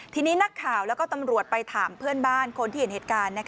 ทีนี้นักข่าวแล้วก็ตำรวจไปถามเพื่อนบ้านคนที่เห็นเหตุการณ์